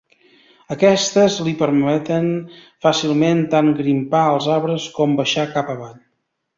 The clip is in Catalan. Aquestes li permeten fàcilment tant grimpar als arbres com baixar cap avall.